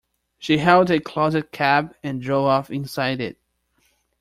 She hailed a closed cab and drove off inside it.